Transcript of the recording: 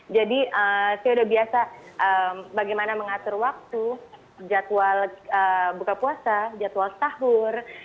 jadi saya sudah biasa bagaimana mengatur waktu jadwal buka puasa jadwal sahur